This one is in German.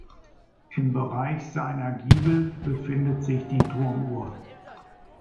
Im Bereich seiner Giebel befindet sich die Turmuhr.